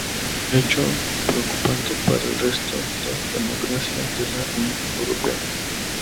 Hecho preocupante para el resto de democracias de la Unión Europea.